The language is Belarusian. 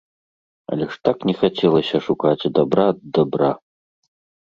Але ж так не хацелася шукаць дабра ад дабра.